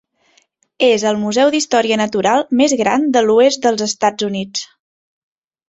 És el museu d'història natural més gran de l'oest dels Estats Units.